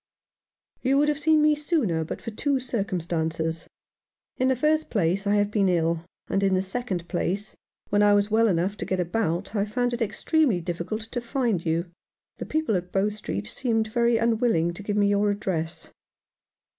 "You would have seen me sooner but for two circumstances. In the first place, I have been ill ; and in the second place, when I was well enough to get about I found it extremely difficult to find you. The people at Bow Street seemed very un willing to give me your address."